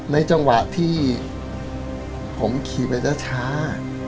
ในจังหวะที่ผมขี่ไปช้า